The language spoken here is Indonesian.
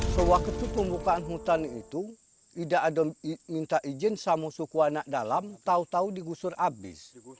sewaktu pembukaan hutan itu tidak ada minta izin sama suku anak dalam tahu tahu digusur habis